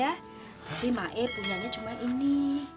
tapi maek punya cuma ini